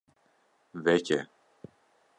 Veke.